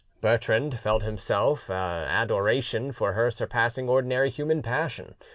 Bertrand himself felt an adoration for her surpassing ordinary human passion.